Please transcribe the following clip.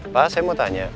pak saya mau tanya